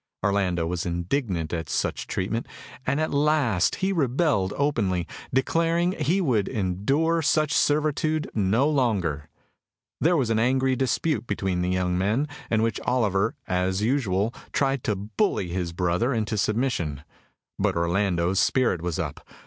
Orlando was indignant at such treatment, and at last he rebelled openly, declaring he would endure such servitude no longer. There was an angry dispute between the young men, in which Oliver, as usual, tried to bully his brother into submission. But Orlando's spirit was up.